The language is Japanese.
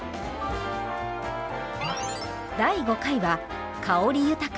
第５回は香り豊か！